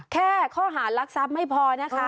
แค่ข้อหารรักษัพไม่พอนะคะ